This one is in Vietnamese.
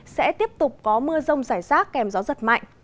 sẽ tiếp tục có mưa rông rải rác kèm gió giật mạnh